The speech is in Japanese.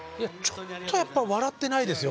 ちょっとやっぱ笑ってないですよ